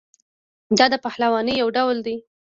دا د پهلوانۍ یو ډول دی.